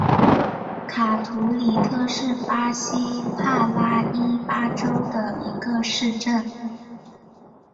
卡图里特是巴西帕拉伊巴州的一个市镇。